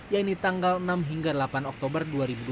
yaitu tanggal enam hingga delapan oktober dua ribu dua puluh